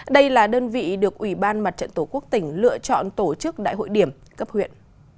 đây là đơn vị được ủy ban mặt trận tổ quốc tỉnh lựa chọn tổ chức đại hội điểm cấp huyện